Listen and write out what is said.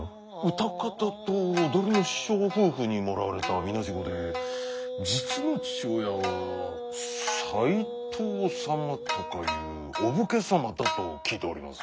唄方と踊りの師匠夫婦にもらわれたみなしごで実の父親は斎藤様とかいうお武家様だと聞いております。